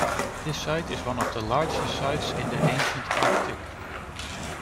This site is one of the largest sites in the ancient Arctic.